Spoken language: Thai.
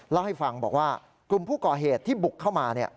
เล่าให้ฟังบอกว่ากลุ่มผู้ก่อเหตุที่บุกเข้ามา